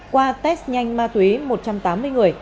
qua test nhanh ma túy một trăm tám mươi người